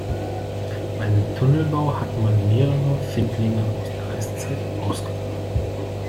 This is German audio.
Beim Tunnelbau hat man mehrere Findlinge aus der Eiszeit ausgegraben.